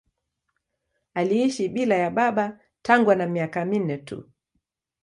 Aliishi bila ya baba tangu ana miaka minne tu.